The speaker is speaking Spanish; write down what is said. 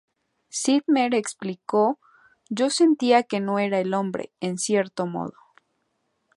Zimmer explicó: "Yo sentía que no era el hombre, en cierto modo.